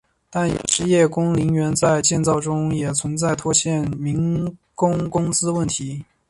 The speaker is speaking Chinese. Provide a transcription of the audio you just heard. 但是叶公陵园在建造中也存在拖欠农民工工资问题。